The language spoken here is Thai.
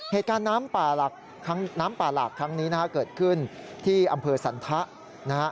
เหตุการณ์น้ำป่าหลากครั้งนี้นะฮะเกิดขึ้นที่อำเภอสันทะนะฮะ